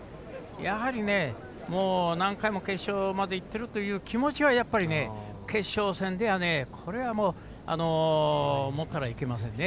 やはり、何回も決勝までいっているという気持ちはやっぱり決勝戦ではこれは持ったらいけませんね。